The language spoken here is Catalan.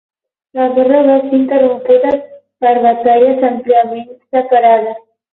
La guerra va ser interrompuda per batalles àmpliament separades.